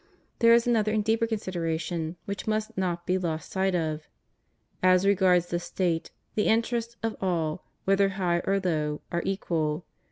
There is another and deeper consideration which must not be lost sight of. As regards the State, the interests of all, whether high or low, are equal.